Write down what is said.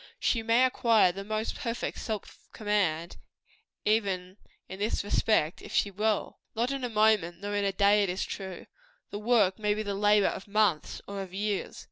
She may acquire the most perfect self command, even in this respect, if she will. Not in a moment, nor in a day, it is true. The work may be the labor of months, or of years.